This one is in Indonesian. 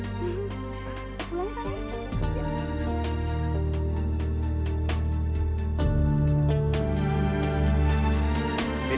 pulang kak ibu